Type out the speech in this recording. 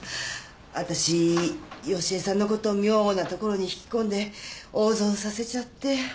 わたし良恵さんのこと妙なところに引き込んで大損させちゃって。